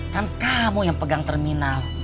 kan kamu yang pegang terminal